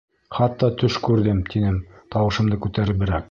Хатта төш күрҙем. — тинем тауышымды күтәреберәк.